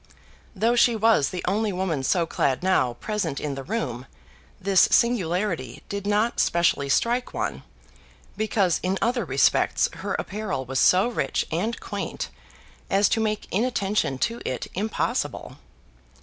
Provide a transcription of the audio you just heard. Though she was the only woman so clad now present in the room, this singularity did not specially strike one, because in other respects her apparel was so rich and quaint as to make inattention to it impossible.